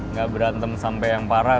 kita gak berantem sampai yang parah